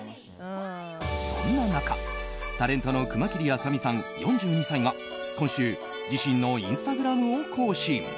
そんな中タレントの熊切あさ美さん、４２歳が今週自身のインスタグラムを更新。